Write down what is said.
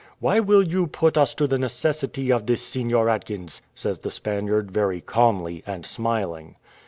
Why will you put us to the necessity of this, Seignior Atkins?" says the Spaniard very calmly, and smiling.